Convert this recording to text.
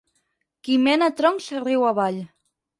Qui mena troncs riu avall.